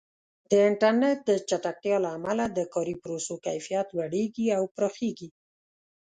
د انټرنیټ د چټکتیا له امله د کاري پروسو کیفیت لوړېږي او پراخېږي.